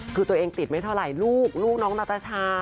คือตัวเองติดไม่เท่าไหร่ลูกลูกน้องนาตาชา